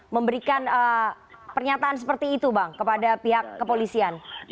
memberikan pernyataan seperti itu bang kepada pihak kepolisian